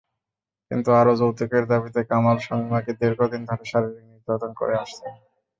কিন্তু আরও যৌতুকের দাবিতে কামাল শামীমাকে দীর্ঘদিন ধরে শারীরিক নির্যাতন করে আসছেন।